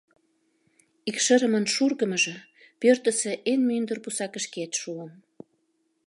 Икшырымын шургымыжо пӧртысӧ эн мӱндыр пусакышкет шуын.